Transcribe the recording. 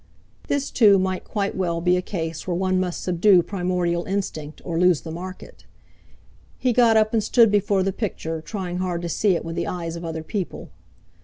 This too might quite well be a case where one must subdue primordial instinct, or lose the market. He got up and stood before the picture, trying hard to see it with the eyes of other people.